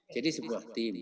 jadi sebuah tim